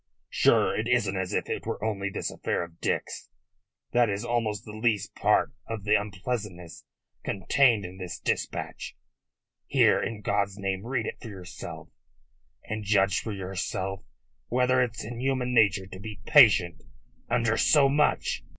Sure, it isn't as if it were only this affair of Dick's. That is almost the least part of the unpleasantness contained in this dispatch. Here! In God's name, read it for yourself, and judge for yourself whether it's in human nature to be patient under so much."